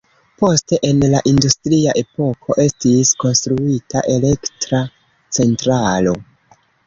Poste en la industria epoko estis konstruita elektra centralo.